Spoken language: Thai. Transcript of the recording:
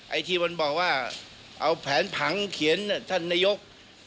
ไอ้ทีมนั่นบอกว่าเอาแผนผังเขียนท่านนายกรัฐมนตรี